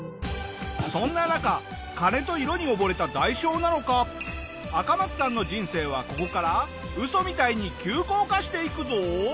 そんな中金と色に溺れた代償なのかアカマツさんの人生はここからウソみたいに急降下していくぞ。